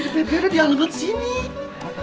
pebri ada di alamat sini di jakarta